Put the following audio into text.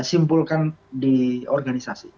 simpulkan di organisasi